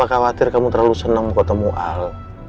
gak usah khawatir kamu terlalu seneng ketemu al